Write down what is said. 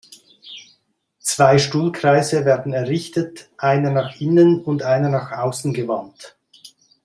Zwei Stuhlkreise werden errichtet, einer nach innen und einer nach außen gewandt.